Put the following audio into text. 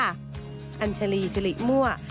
อัญชลีจิลิมั่ว